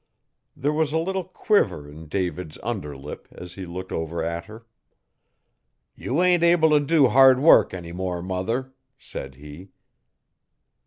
There was a little quiver in David's under lip as he looked over at her. 'You ain't able t' do hard work any more, mother,' said he.